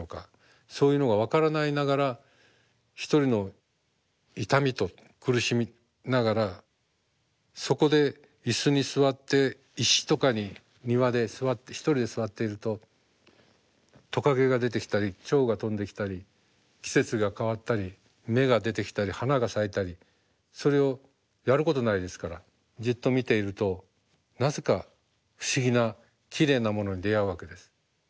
そういうのが分からないながら一人の痛みと苦しみながらそこで椅子に座って石とかに庭で座って一人で座っているとトカゲが出てきたりチョウが飛んできたり季節が変わったり芽が出てきたり花が咲いたりそれをやることないですからじっと見ているとなぜか不思議なきれいなものに出会うわけです。